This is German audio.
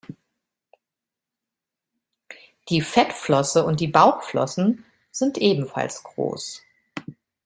Die Fettflosse und die Bauchflossen sind ebenfalls groß.